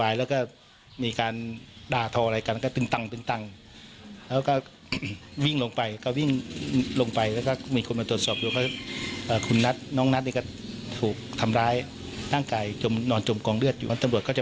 อย่างไงเข้าอยู่กับใครตำรวจก็มาบ่อยครับ